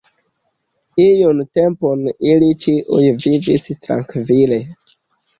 Iun tempon ili ĉiuj vivis trankvile.